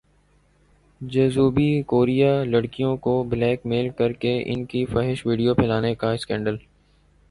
جنوبی کوریا لڑکیوں کو بلیک میل کرکے ان کی فحش ویڈیوز پھیلانے کا اسکینڈل